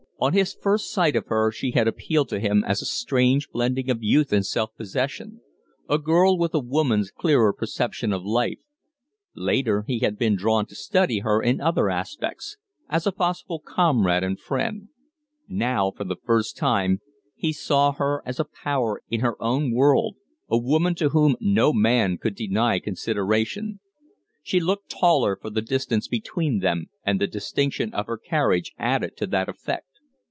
On his first sight of her she had appealed to him as a strange blending of youth and self possession a girl with a woman's clearer perception of life; later he had been drawn to study her in other aspects as a possible comrade and friend; now for the first time he saw her as a power in her own world, a woman to whom no man could deny consideration. She looked taller for the distance between them, and the distinction of her carriage added to the effect.